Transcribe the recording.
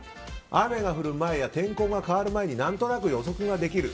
雨が降る前や天候が変わる前に何となく予測ができる。